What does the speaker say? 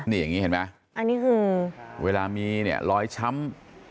นี่อย่างนี้เห็นไหมอันนี้คือเวลามีเนี่ยรอยช้ำ